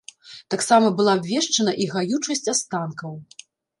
Таксама была абвешчана і гаючасць астанкаў.